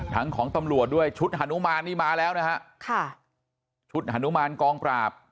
ทั้งของตำลวดด้วยชุดหนุมารนี่มาแล้วนะฮะชุดหนุมารกองปราบ